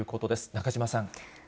中島さん。